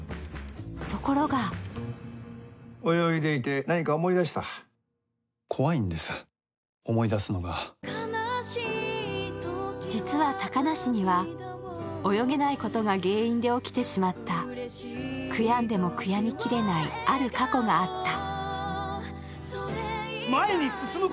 ところが実は、小鳥遊には泳げないことが原因で起きてしまった悔やんでも悔やみきれないある過去があった。